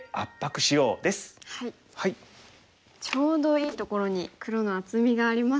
ちょうどいいところに黒の厚みがありますもんね。